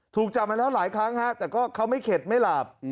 ถูกจับมาแล้วหลายครั้งฮะแต่ก็เขาไม่เข็ดไม่หลาบ